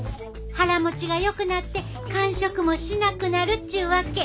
腹もちがよくなって間食もしなくなるっちゅうわけ！